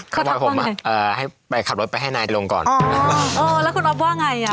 เขาทักว่าอย่างไง